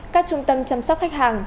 các trung tâm chăm sóc khách hàng